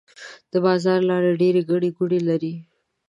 د بازار لارې ډيرې ګڼې ګوڼې لري.